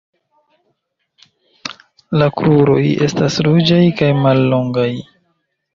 La kruroj estas ruĝaj kaj mallongaj.